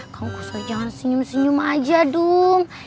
kangkusoy jangan senyum senyum aja dung